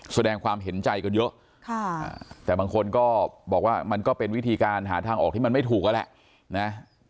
แสดงความเห็นใจกันเยอะแต่บางคนก็บอกว่ามันก็เป็นวิธีการหาทางออกที่มันไม่ถูกนั่นแหละนะ